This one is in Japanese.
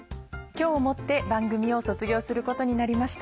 今日をもって番組を卒業することになりました。